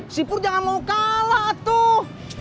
sipur jangan mau kalah tuh